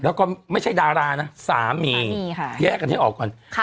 แล้วก็ไม่ใช่ดาราน่ะสามีสามีค่ะแยะกันให้ออกก่อนค่ะ